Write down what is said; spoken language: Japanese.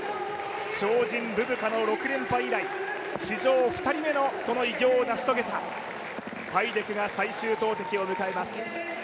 超人ブブカの６連覇以来史上２人目の偉業を成し遂げたファイデクが最終投てきを迎えます。